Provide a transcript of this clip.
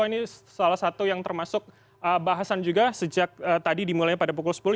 ini salah satu yang termasuk bahasan juga sejak tadi dimulai pada pukul sepuluh